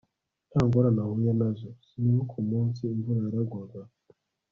nta ngorane ahuye na zo. sinibuka umunsi, imvura yaragwaga